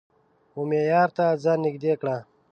و معیار ته ځان نژدې کړه